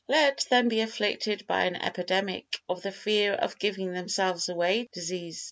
Let them be afflicted by an epidemic of the fear of giving themselves away disease.